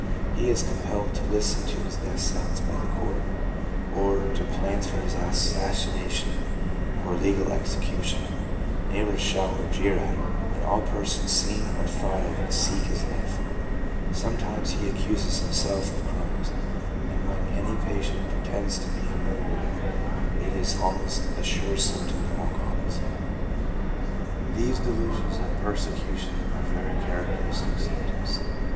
He is compelled to listen to his death sentence by the court, or to plans for his assassination or legal execution. Neighbours shout or jeer at him, and all persons seen or thought of seek his life. Sometimes he accuses himself of crimes, and when any patient pretends to be a murderer it is almost a sure symptom of alcoholism. These delusions of persecution are very charac teristic symptoms.